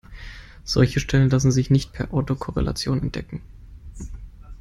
Solche Stellen lassen sich nicht per Autokorrelation entdecken.